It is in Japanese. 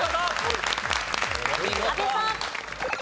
阿部さん。